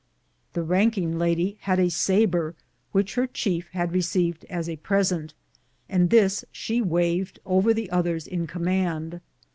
The ranking lady had a sabre which her chief had received as a present, and this she waved over the others in command.